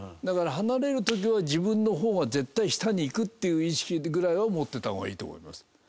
だから離れる時は自分の方が絶対下にいくっていう意識ぐらいは持ってた方がいいと思います。